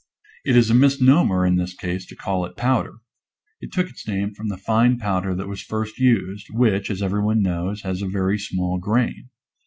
It is a misnomer in this case to call it powder. It took its name from the fine powder that was first used, which, as every one knows, has a very small grain.